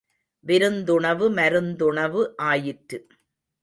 விருந்துணவு மருந்துணவு ஆயிற்று.